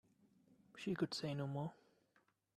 She could say no more.